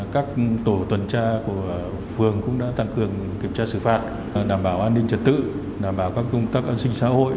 các tổ tuần tra của phường cũng đã tăng cường kiểm tra xử phạt đảm bảo an ninh trật tự đảm bảo các công tác an sinh xã hội